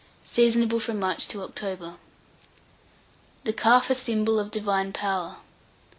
Seasonable from March to October. THE CALF A SYMBOL OF DIVINE POWER.